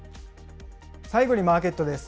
最後にマーケットです。